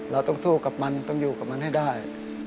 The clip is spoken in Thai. เราต้องสู้กับมันต้องอยู่กับมันให้ได้